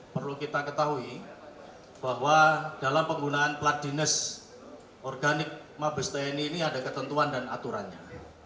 perlu kita ketahui bahwa dalam penggunaan plat dinas organik mabes tni ini ada ketentuan dan aturannya